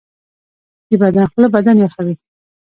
د بدن خوله بدن یخوي